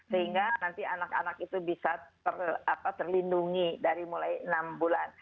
sehingga nanti anak anak itu bisa terlindungi dari mulai enam bulan